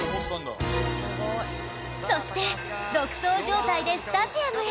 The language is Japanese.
そして独走状態でスタジアムへ